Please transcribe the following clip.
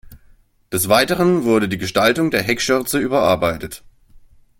Des Weiteren wurde die Gestaltung der Heckschürze überarbeitet.